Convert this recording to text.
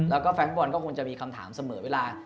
แล้วก็แฟนฟุตบอลก็คงจะมีคำถามเสมอเวลา